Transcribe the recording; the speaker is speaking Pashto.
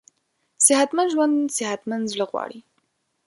صحتمند ژوند صحتمند زړه غواړي.